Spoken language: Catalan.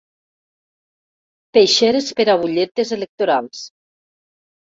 Peixeres per a butlletes electorals.